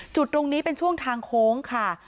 จุดตรงนี้เป็นช่วงทางโค้งค่ะ